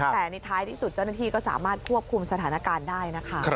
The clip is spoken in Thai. แต่ในท้ายที่สุดเจ้าหน้าที่ก็สามารถควบคุมสถานการณ์ได้นะคะ